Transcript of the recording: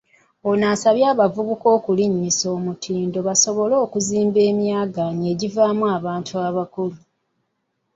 Ono asabye abavubuka okulinnyisa omutindo basobole okuziba emyaganya egivaamu abantu abakulu.